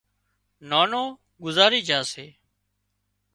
نانوگذارِي جھا سي